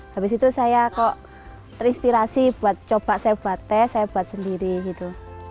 habis itu saya kok terinspirasi buat coba saya buat teh saya buat sendiri gitu